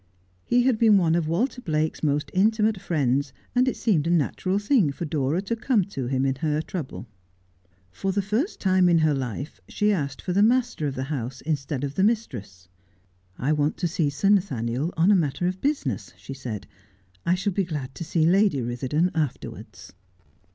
He had been one of Walter Blake's most intimate friends, and it seemed a natural thing for Dora to come to him in her trouble. For the first time in her life she asked for the master of the house instead of the mistress. ' I want to see Sir Nathaniel on a matter of business,' she said ;' I shall be glad to see Lady Bitherdon afterwards.'